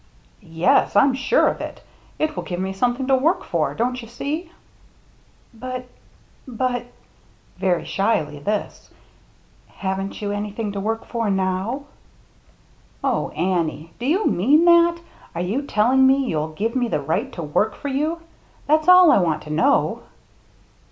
"Yes, I'm sure of it. It will give me some thing to work for, don't you see ?"" But — but —" very shyly, this —" Haven't you anything to work for now ?" "Oh, Annie, do you mean that — are you telling me you'll give me the right to work for you ? That's all I want to know."